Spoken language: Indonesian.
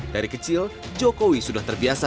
dari kecil jokowi sudah terbiasa